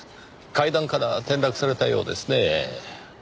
階段から転落されたようですねぇ。